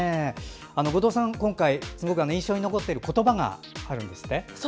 後藤さん、今回すごく印象に残っている言葉があるんですって？